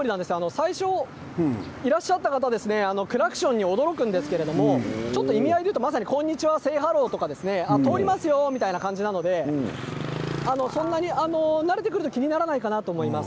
最初いらっしゃった方はクラクションに驚くんですけどちょっと、意味合いでいうとこんにちは、セイハロー通りますよという感じなので慣れてくると気にならないかなと思います。